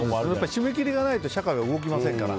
締め切りがないと社会が動きませんから。